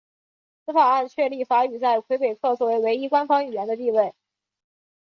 此法案确立法语在魁北克作为唯一官方语言的地位。